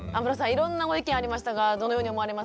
いろんなご意見ありましたがどのように思われますか？